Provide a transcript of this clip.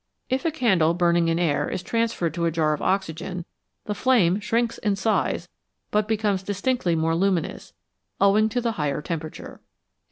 If a candle burning in air is transferred to a jar of oxygen, the flame shrinks in size but becomes distinctly more luminous, owing to the higher tempera ture.